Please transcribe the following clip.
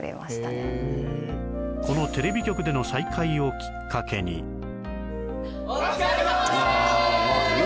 このテレビ局での再会をきっかけにお疲れさまです